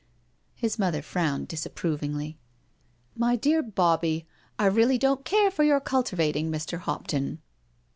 His mother frowned disapprovingly. '* My dear Bobbie, I really don't care for your cul tivating Mr. Hopton."